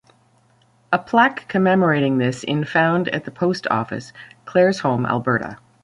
A plaque commemorating this in found at the Post Office, Claresholm, Alberta.